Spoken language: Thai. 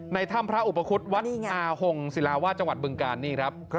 ถ้ำพระอุปคุฎวัดอาหงศิลาวาสจังหวัดบึงการนี่ครับ